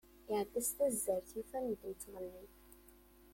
Iεedda s tazzert, yufa medden ttɣennin.